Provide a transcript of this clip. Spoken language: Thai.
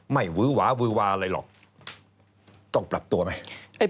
หวือหวาวือวาอะไรหรอกต้องปรับตัวไหม